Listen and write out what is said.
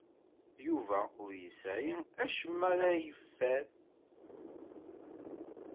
Yuba ur yesɛi acemma ara yeffer.